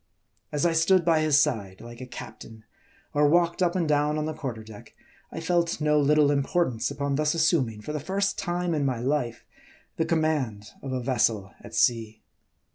As I stood by his side like a captain, or walked up and down on the quarter deck, I felt no little importance upon thus assuming for the first time in my life, the command of a vessel at sea.